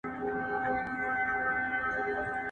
که پر ځان باور لرئ، نو ناممکن ممکن کېږي.